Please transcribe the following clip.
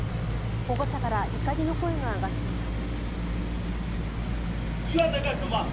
保護者から怒りの声が上がっています。